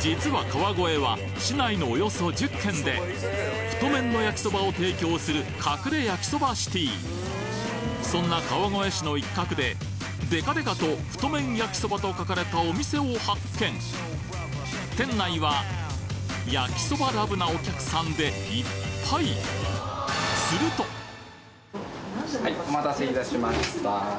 実は川越は市内のおよそ１０軒で太麺の焼きそばを提供する隠れ焼きそばシティーそんな川越市の一角でデカデカと太麺やきそばと書かれたお店を発見店内は焼きそばラブなお客さんでいっぱいはいお待たせいたしました。